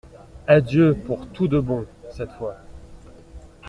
Adieu pour tout de bon, cette fois.